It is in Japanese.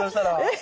え？